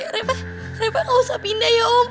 reva reva gak usah pindah ya om